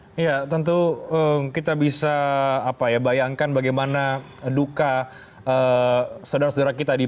oh ya tentu kita bisa apa ya bayangkan bagaimana duka saudara saudara kita di